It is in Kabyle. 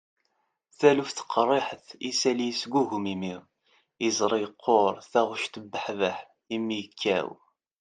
taluft qerriḥet, isalli yesgugum imi, iẓri yeqquṛ, taɣect tebbuḥbeḥ, imi yekkaw